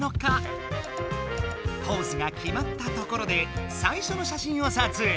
ポーズがきまったところでさいしょのしゃしんをさつえい！